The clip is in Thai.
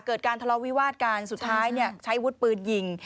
เกิดการทะเลาะวิวาดกันสุดท้ายใช้วุฒิปืนยิง